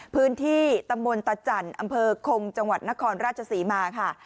พื้นที่ตำบลตะจันทร์อำเภอคงจังหวัดนครราชศรีมาค่ะ